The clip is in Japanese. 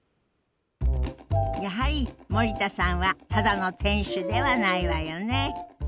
やはり森田さんはただの店主ではないわよね。